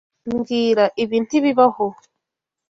Mbwira ibi ntibibaho.